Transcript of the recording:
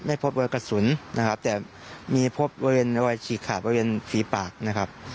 ไม่พบวัยกระสุนนะครับแต่มีพบวัยเฉียบขาบวัยเฉียบฝีปากนะครับ